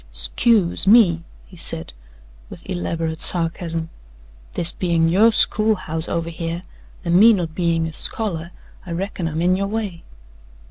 "'Scuse me," he said with elaborate sarcasm. "This bein' yo' school house over hyeh, an' me not bein' a scholar, I reckon I'm in your way."